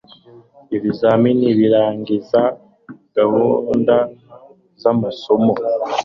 ibizamini birangiza gahunda z amasomo